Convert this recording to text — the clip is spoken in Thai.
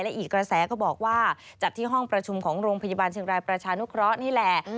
อีกกระแสก็บอกว่าจัดที่ห้องประชุมของโรงพยาบาลเชียงรายประชานุเคราะห์นี่แหละ